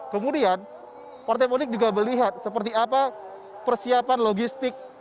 kemudian partai politik juga melihat seperti apa persiapan logistik